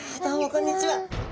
こんにちは。